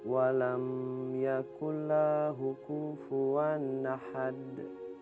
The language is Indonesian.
wa lam yakullah hukufu an ahad